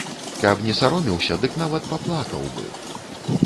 Каб не саромеўся, дык нават паплакаў бы.